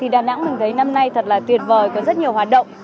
đà nẵng mình thấy năm nay thật là tuyệt vời có rất nhiều hoạt động